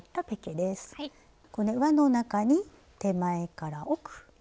これ輪の中に手前から奥。